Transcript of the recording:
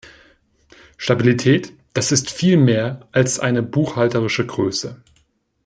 Stabilität, das ist viel mehr als eine buchhalterische Größe.